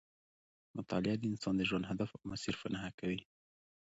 مطالعه د انسان د ژوند هدف او مسیر په نښه کوي.